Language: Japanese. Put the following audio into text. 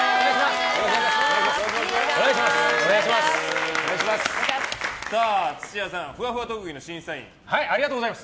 よろしくお願いします。